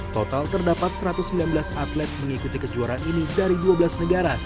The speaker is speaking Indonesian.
total terdapat satu ratus sembilan belas atlet mengikuti kejuaraan ini dari dua belas negara